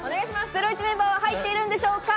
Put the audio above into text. ゼロイチメンバーは入っているんでしょうか？